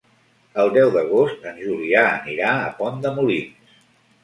El deu d'agost en Julià anirà a Pont de Molins.